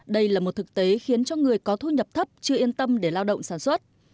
đây là một thực tế khiến cho người có thu nhập thấp chưa yên tâm để lao động sản xuất